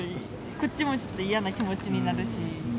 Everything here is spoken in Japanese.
こっちもちょっと嫌な気持ちになるし。